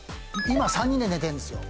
今３人で寝てるんですよ